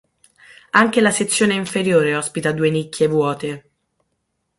Anche la sezione inferiore ospita due nicchie vuote.